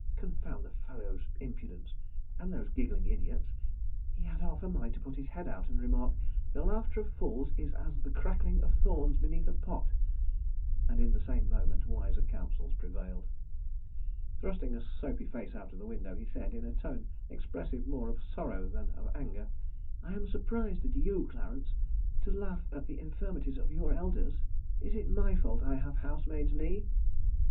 Confound the fellow's impudence—and those giggling' idiots. He had half a mind to put his head out and remark; "The laughter of fools is as the crackling of thorns beneath a pot," and in the same moment wiser counsels prevailed. Thrusting a soapy face out of the window, he said, in a tone expressive more of sorrow than of anger: "I am surprised at you, Clarence! ... To laugh at the infirmities of your elders! ... Is it my fault I have housemaid's knee?"